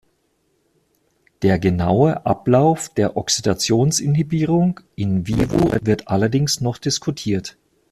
Der genaue Ablauf der Oxidations-Inhibierung in vivo wird allerdings noch diskutiert.